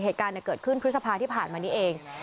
เหตุการณ์เกิดขึ้นพฤษภาที่ผ่านมานี้เอง